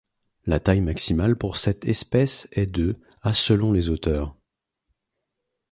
La taille maximale pour cette espèce est de à selon les auteurs.